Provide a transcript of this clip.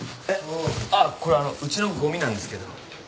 えっあっこれあのうちのごみなんですけど。